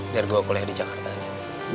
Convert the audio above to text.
biar gue kuliah di jakarta aja